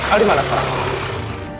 al dimana sekarang